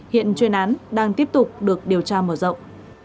hiện chuyên án đang tiếp tục được điều tra mở rộng